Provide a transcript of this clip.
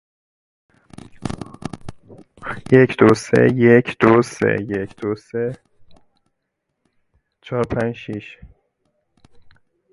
The Town of Bentonia is served by the Yazoo County School District.